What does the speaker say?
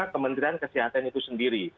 kementerian kesehatan itu sendiri